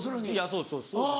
そうですそうです。